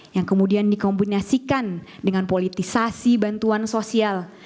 yang kemudian dikombinasikan dengan politisasi bantuan sosial